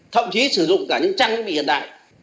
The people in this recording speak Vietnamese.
thậm chí sử dụng cả những trang trí hiện đại